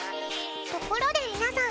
ところで皆さん。